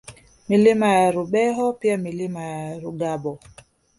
Milima ya Rubeho pia Milima ya Rugabo